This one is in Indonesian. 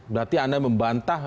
berarti anda membantah